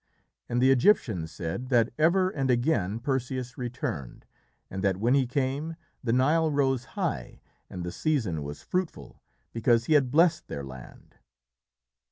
And the Egyptians said that ever and again Perseus returned, and that when he came the Nile rose high and the season was fruitful because he had blessed their land.